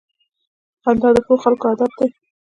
• خندا د ښو خلکو عادت دی.